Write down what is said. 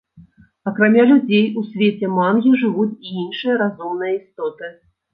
Акрамя людзей у свеце мангі жывуць і іншыя разумныя істоты.